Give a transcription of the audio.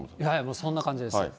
そんな感じです。